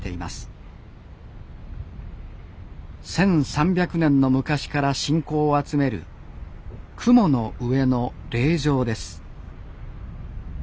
１，３００年の昔から信仰を集める雲の上の霊場です